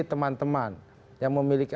teman teman yang memiliki